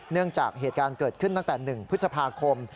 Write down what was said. เนื่องจากเหตุการณ์เกิดขึ้นตั้งแต่๑พฤษภาคม